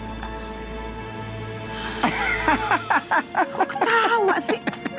kok ketawa sih